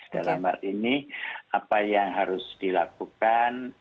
dalam hal ini apa yang harus dilakukan